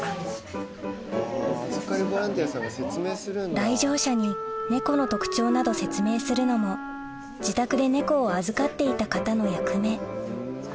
来場者にネコの特徴など説明するのも自宅でネコを預かっていた方の役目